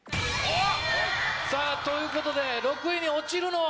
さぁということで６位に落ちるのは？